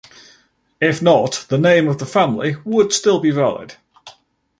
If not, the name of the family would still be valid.